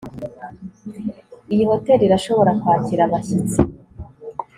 iyi hoteri irashobora kwakira abashyitsi